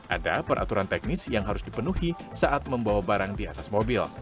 ada peraturan teknis yang harus dipenuhi saat membawa barang di atas mobil